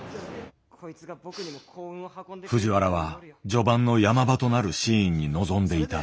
藤原は序盤の山場となるシーンに臨んでいた。